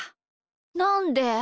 なんで？